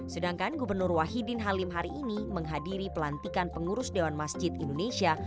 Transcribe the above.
sedangkan gubernur wahidin halim hari ini menghadiri pelantikan pengurus dewan masjid indonesia